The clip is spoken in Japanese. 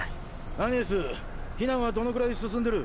アニエス避難はどのくらい進んでる？